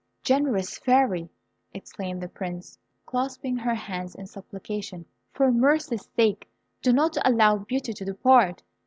"Generous Fairy!" exclaimed the Prince, clasping her hands in supplication, "for mercy's sake, do not allow Beauty to depart!